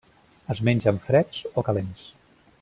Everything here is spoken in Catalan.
Es mengen freds o calents.